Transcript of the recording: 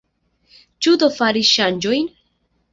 Ĉu do fari ŝanĝojn?